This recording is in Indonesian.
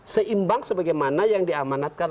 seimbang sebagaimana yang diamanatkan